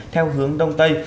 theo hướng đông tây